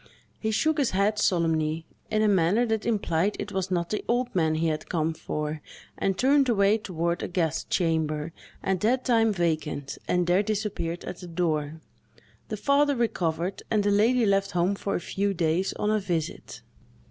He shook his head solemnly, in a manner that implied it was not the old man he had come for, and turned away toward a guest chamber, at that time vacant, and there disappeared at the door. The father recovered, and the lady left home for a few days, on a visit.